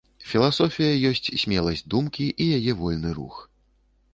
Філасофія ёсць смеласць думкі і яе вольны рух.